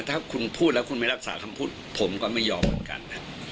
ถ้าคุณพูดแล้วคุณไม่รักษาคำพูดผมก็ไม่ยอมเหมือนกัน